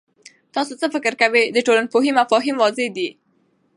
تاسو څه فکر کوئ، د ټولنپوهنې مفاهیم واضح دي؟